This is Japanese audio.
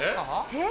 えっ？